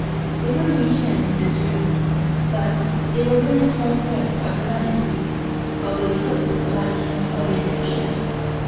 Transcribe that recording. There were many chairs in this room, but they were really small thrones of Her Majesty's, although they looked like any ordinary chairs.